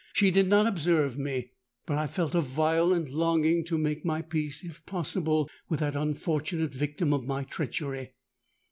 She did not observe me; but I felt a violent longing to make my peace, if possible, with that unfortunate victim of my treachery.